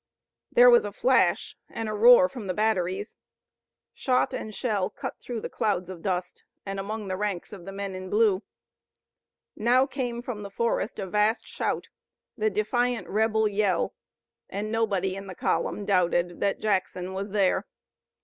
There was a flash and roar from the batteries. Shot and shell cut through the clouds of dust and among the ranks of the men in blue. Now came from the forest a vast shout, the defiant rebel yell and nobody in the column doubted that Jackson was there.